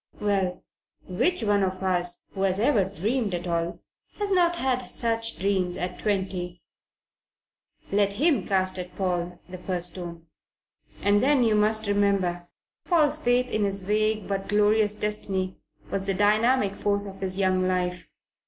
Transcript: Well, which one of us who has ever dreamed at all has not had such dreams at twenty? Let him cast at Paul the first stone. And then, you must remember, Paul's faith in his vague but glorious destiny was the dynamic force of his young life.